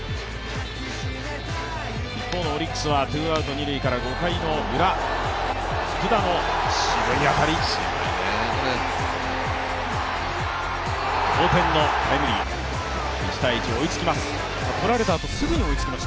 一方のオリックスはツーアウト二塁から５回ウラ福田の渋い当たり、同点のタイムリー、１−１、追いつきます。